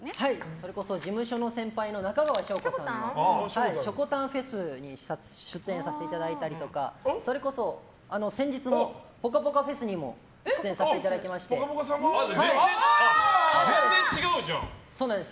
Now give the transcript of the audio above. それこそ事務所の先輩の中川翔子さんの「しょこたんフェス」に出演させていただいたりとかそれこそ先日のぽかぽかＦＥＳにも全然違うじゃん。